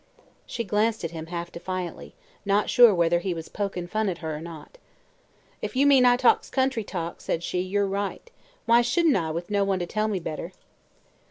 She glanced at him half defiantly, not sure whether he was "pokin' fun at her" or not. "If you mean I talks country talk," said she, "you're right. Why shouldn't I, with no one to tell me better?"